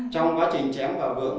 trong quá trình chém vào vườn